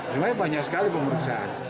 sebenarnya banyak sekali pemeriksaan